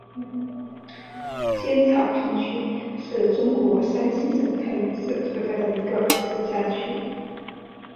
尖草坪区是中国山西省太原市所辖的一个市辖区。